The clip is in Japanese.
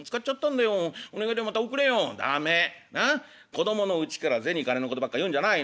子供のうちから銭金のことばっか言うんじゃないの。